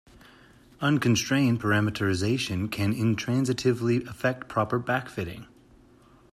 Unconstrained parameterization can intransitively affect proper backfitting.